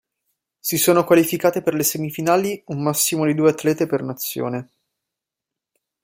Si sono qualificate per le semifinali un massimo di due atlete per nazione.